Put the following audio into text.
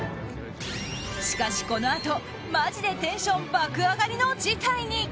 しかし、このあとマジでテンション爆上がりの事態に。